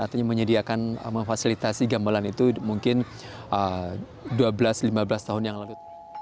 artinya menyediakan memfasilitasi gamelan itu mungkin dua belas lima belas tahun yang lalu